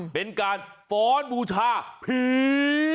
เป็นการฟ้อนบูชาผี